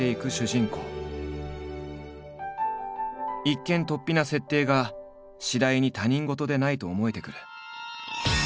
一見とっぴな設定が次第に他人事でないと思えてくる。